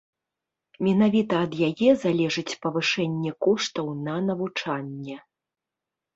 Менавіта ад яе залежыць павышэнне коштаў на навучанне.